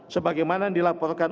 sebagaimana yang dilaporkan